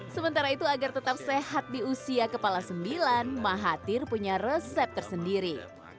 sementara itu agar tetap sehat di usia kepala sembilan mahathir punya resep tersendiri